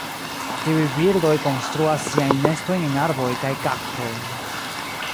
Tiuj birdoj konstruas siajn nestojn en arboj kaj kaktoj.